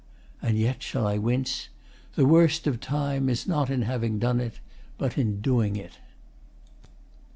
And yet shall I wince? The worst of Time Is not in having done it, but in doing 't.